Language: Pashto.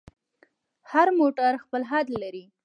هر موټر خپل حد لري.